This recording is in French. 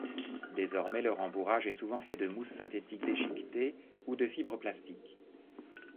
Désormais le rembourrage est souvent fait de mousse synthétique déchiquetée ou de fibre plastique.